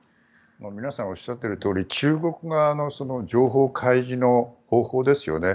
皆さんおっしゃっているとおり中国側の情報開示の方法ですよね。